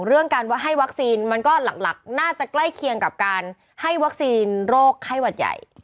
เรื่องการว่าให้วัคซีนมันก็หลักน่าจะใกล้เคียงกับการให้วัคซีนโรคไข้หวัดใหญ่